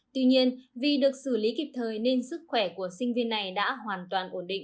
tuy nhiên vì được xử lý kịp thời nên sức khỏe của sinh viên này đã hoàn toàn ổn định